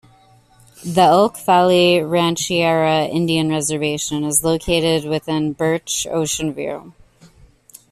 The Elk Valley Rancheria Indian reservation is located within Bertsch-Oceanview.